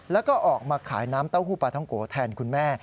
แล้วก็ออกมาขายน้ำเต้าหู้ปลาท้องโกแทนคุณแม่